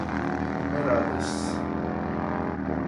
enumeradas